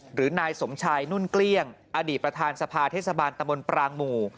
หรือนายสมชายนุ่นเกลี้ยงอดีตประธานสภาเทศบาลตะบนปรางหมู่